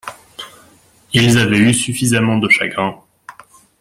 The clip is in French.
Ils avaient eu suffisamment de chagrin.